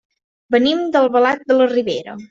Venim d'Albalat de la Ribera.